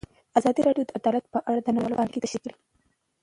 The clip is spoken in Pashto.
ازادي راډیو د عدالت په اړه نړیوالې اړیکې تشریح کړي.